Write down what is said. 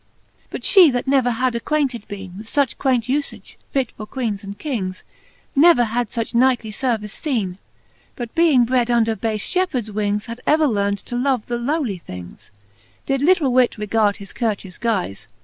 XXXV. But fhe, that never had acquainted beene With fuch queint ufage, fit for Queenes and Kings, Ne ever had fuch knightly fervice feene. But being bred under bafe fhepheards wings, Had ever learn'd to love the lowly things, Did lide whit regard his courteous guize.